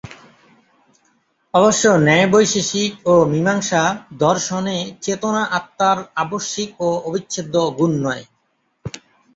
অবশ্য ন্যায়-বৈশেষিক ও মীমাংসা দর্শনে চেতনা আত্মার আবশ্যিক ও অবিচ্ছেদ্য গুণ নয়।